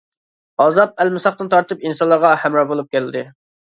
ئازاب ئەلمىساقتىن تارتىپ ئىنسانلارغا ھەمراھ بولۇپ كەلدى.